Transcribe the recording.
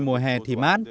mùa hè thì mát